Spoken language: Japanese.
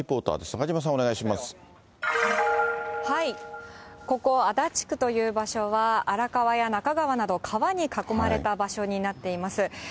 中島さん、ここ足立区という場所は、荒川や中川など、川に囲まれた場所になっています。